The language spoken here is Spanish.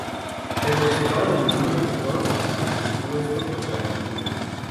Pero conservaron al mismo director y presupuesto compartido.